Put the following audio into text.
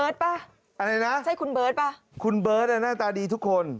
ใช่คุณเบิร์ตป่ะคุณเบิร์ตน่าตาดีทุกคน